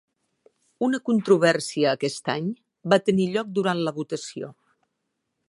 Una controvèrsia aquest any va tenir lloc durant la votació.